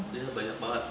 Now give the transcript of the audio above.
dia banyak banget